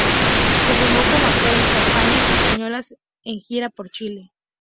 Se formó como actor en compañías españolas en gira por Chile.